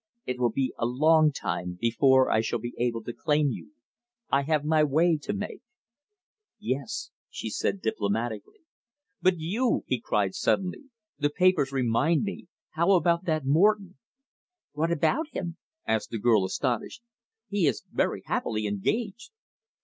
It will be a long time before I shall be able to claim you. I have my way to make." "Yes," said she diplomatically. "But you!" he cried suddenly. "The papers remind me. How about that Morton?" "What about him?" asked the girl, astonished. "He is very happily engaged."